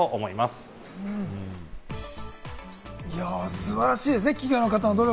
素晴らしいですね、企業の方の努力。